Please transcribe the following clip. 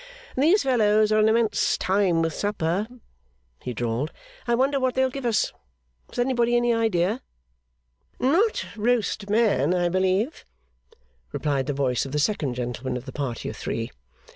'These fellows are an immense time with supper,' he drawled. 'I wonder what they'll give us! Has anybody any idea?' 'Not roast man, I believe,' replied the voice of the second gentleman of the party of three.